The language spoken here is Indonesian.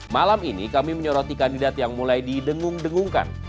malam ini kami menyoroti kandidat yang mulai didengung dengungkan